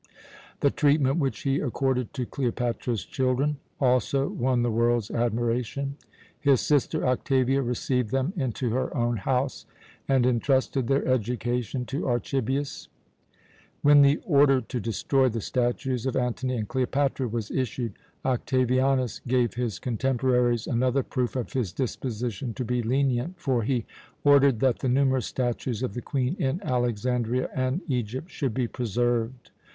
The treatment which he accorded to Cleopatra's children also won the world's admiration. His sister Octavia received them into her own house and intrusted their education to Archibius. When the order to destroy the statues of Antony and Cleopatra was issued, Octavianus gave his contemporaries another proof of his disposition to be lenient, for he ordered that the numerous statues of the Queen in Alexandria and Egypt should be preserved.